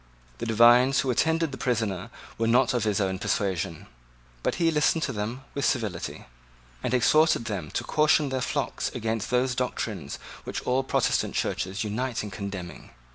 The divines who attended the prisoner were not of his own persuasion; but he listened to them with civility, and exhorted them to caution their flocks against those doctrines which all Protestant churches unite in condemning.